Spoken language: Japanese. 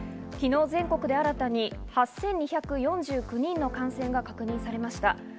昨日、全国で新たに８２４９人の感染が確認されました。